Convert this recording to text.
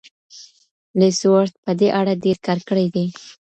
لویس ورت په دې اړه ډېر کار کړی دی.